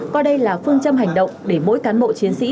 coi đây là phương châm hành động để mỗi cán bộ chiến sĩ